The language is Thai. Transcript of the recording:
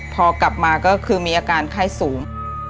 พอกลับมาก็คือมีอาการไข้สูง